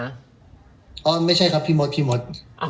อ้าวไม่ใช่ครับพี่มด